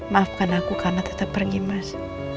maafkan aku karena tetap pergi mas